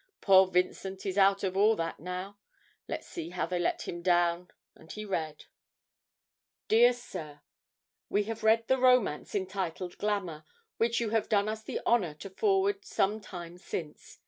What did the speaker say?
'Poor Vincent is out of all that now. Let's see how they let him down!' and he read: 'DEAR SIR, We have read the romance entitled "Glamour" which you have done us the honour to forward some time since.